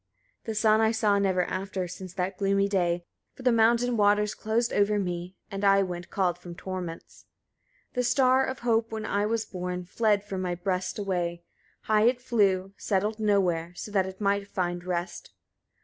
45. The sun I saw never after, since that gloomy day; for the mountain waters closed over me, and I went called from torments. 46. The star of hope, when I was born, fled from my breast away; high it flew, settled nowhere, so that it might find rest.